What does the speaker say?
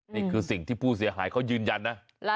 นี่คือสิ่งที่ผู้เสียหายเขายืนยันนะ